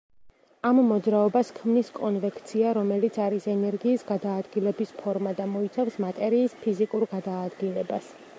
ამ მოძრაობას ქმნის კონვექცია, რომელიც არის ენერგიის გადაადგილების ფორმა და მოიცავს მატერიის ფიზიკურ გადაადგილებას.